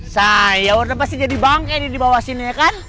saya udah pasti jadi bangke dibawah sini kan